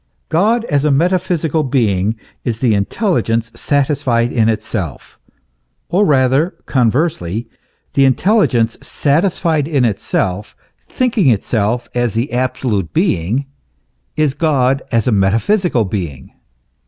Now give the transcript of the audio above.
God, as a metaphysical being, is the intelligence satisfied in itself, or rather, conversely, the intelli gence satisfied in itself, thinking itself as the absolute being, is God as a metaphysical being.